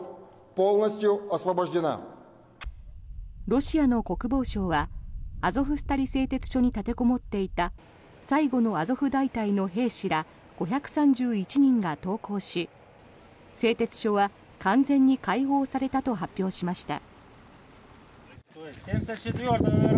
ロシアの国防省はアゾフスタリ製鉄所に立てこもっていた最後のアゾフ大隊の兵士ら５３１人が投降し製鉄所は完全に解放されたと発表しました。